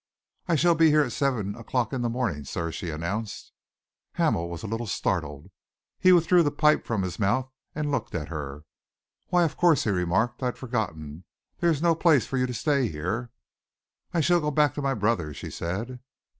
"I shall be here at seven o'clock in the morning, sir," she announced. Hamel was a little startled. He withdrew the pip from his mouth and looked at her. "Why, of course," he remarked. "I'd forgotten. There is no place for you to stay here." "I shall go back to my brother's." she said.